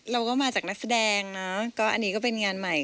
เราก็มาจากนักแสดงนะก็อันนี้ก็เป็นงานใหม่